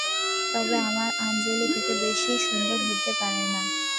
তবে আমার আঞ্জলি থেকে বেশি সুন্দর হতে পারে না।